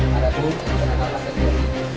harapu penangkapan tersebut